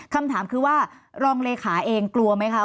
คำถามคือว่ารองรคนิมิตรเองกลัวไหมคะ